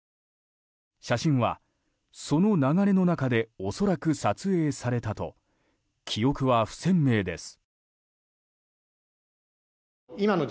写真はその流れの中で恐らく撮影されたと記憶は不鮮明です。